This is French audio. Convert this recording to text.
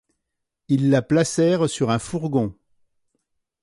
Ils la placèrent sur un fourgon.